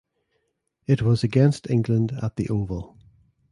It was against England at The Oval.